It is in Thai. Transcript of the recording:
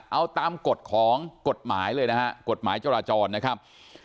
เอาตามกฎของกฎหมายเลยนะฮะกฎหมายจราจรนะครับ